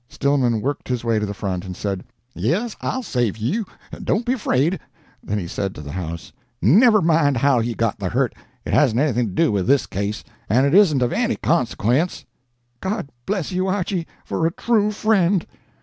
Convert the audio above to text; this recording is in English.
Stillman worked his way to the front, and said, "Yes, I'll save you. Don't be afraid." Then he said to the house, "Never mind how he got the hurt; it hasn't anything to do with this case, and isn't of any consequence." "God bless you, Archy, for a true friend!"